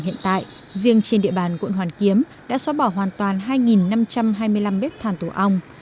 hiện tại riêng trên địa bàn quận hoàn kiếm đã xóa bỏ hoàn toàn hai năm trăm hai mươi năm bếp thàn tổ ong